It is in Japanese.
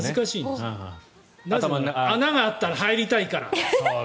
なぜなら穴があったら入りたいから。